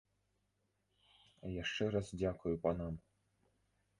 Яшчэ раз дзякую панам.